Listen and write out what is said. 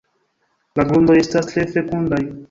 La grundoj estas tre fekundaj.